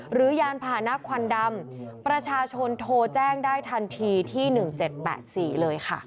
ยานพาหนะควันดำประชาชนโทรแจ้งได้ทันทีที่๑๗๘๔เลยค่ะ